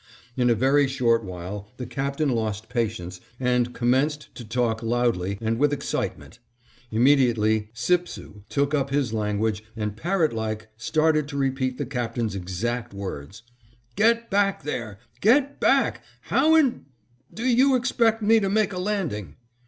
In a very short while the Captain lost patience and commenced to talk loudly and with excitement; immediately Sipsoo took up his language and parrot like started to repeat the Captain's exact words: "Get back there, get back how in do you expect me to make a landing?"